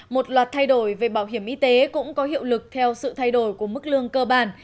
một loạt thay đổi về bảo hiểm y tế cũng có hiệu lực theo sự thay đổi của mức lương cơ bản